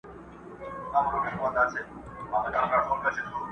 کنې ګران افغانستانه له کنعانه ښایسته یې.